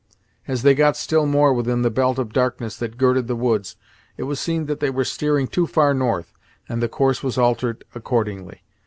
As they got still more within the belt of darkness that girded the woods, it was seen that they were steering too far north, and the course was altered accordingly.